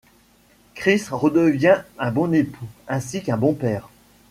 Chris redevient un bon époux ainsi qu'un bon père.